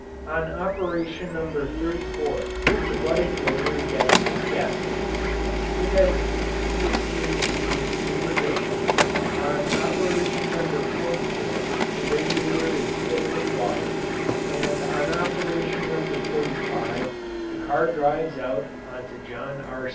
On operation number thirty four the budding motor gets its gasoline; it has previously received lubrication; on operation number forty four the radiator is filled with water, and on operation number forty five the car drives out onto John R.